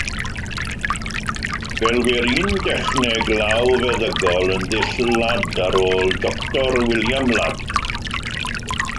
Gelwir un dechneg lawfeddygol yn "ddull Ladd", ar ôl Doctor William Ladd.